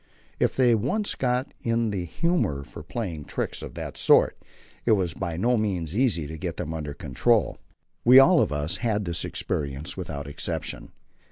If they once got in the humour for playing tricks of that sort, it was by no means easy to get them under control. We all of us had this experience without exception.